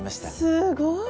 すごい！